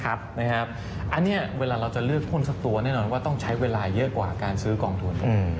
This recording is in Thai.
อันนี้เวลาเราจะเลือกหุ้นสักตัวแน่นอนว่าต้องใช้เวลาเยอะกว่าการซื้อกองทุน